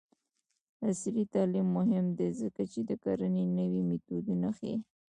عصري تعلیم مهم دی ځکه چې د کرنې نوې میتودونه ښيي.